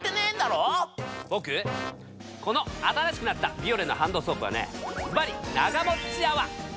ボクこの新しくなったビオレのハンドソープはねズバリながもっち泡！